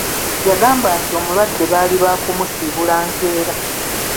Yagamba nti omulwadde baali ba kumusiibula nkeera.